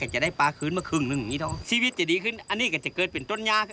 ชีวิตจะดีขึ้นอันนี้ก็จะเกิดเป็นต้นยา